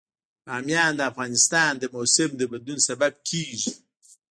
بامیان د افغانستان د موسم د بدلون سبب کېږي.